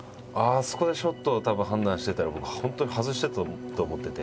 あそこでショットをたぶん判断してたら僕本当に外してたと思ってて。